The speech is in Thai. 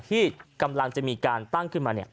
ที่กำลังจะมีการตั้งขึ้นมา